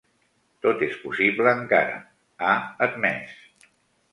Tot és possible encara, ha admès.